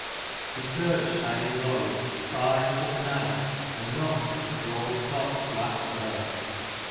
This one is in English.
174 He searched high and low, far into the night : and knocked at the thralls' cots to ask for her.